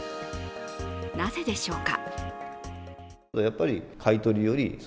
なぜでしょうか。